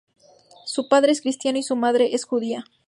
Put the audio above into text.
Su padre es cristiano y su madre es judía.